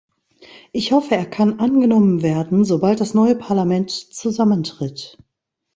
Ich hoffe, er kann angenommen werden, sobald das neue Parlament zusammentritt.